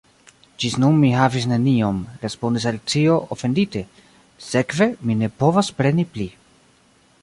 "Ĝis nun mi havis neniom," respondis Alicio, ofendite, "sekve mi ne povas preni pli."